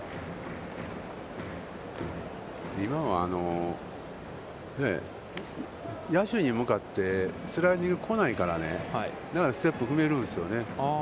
今は、野手に向かってスライディングが来ないからね、だからステップが踏めるんですよね。